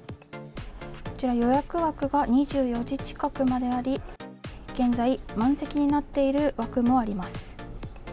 こちら、予約枠が２４時近くまであり現在満席になっている枠もあります。